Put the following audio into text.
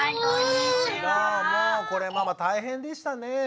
もうこれママ大変でしたねえ。